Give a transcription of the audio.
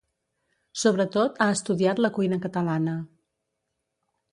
Sobretot ha estudiat la cuina catalana.